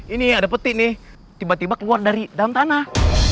ini ada peti nih tiba tiba keluar dari dalam tanah